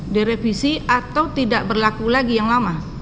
direvisi atau tidak berlaku lagi yang lama